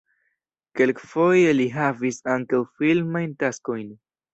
Kelkfoje li havis ankaŭ filmajn taskojn.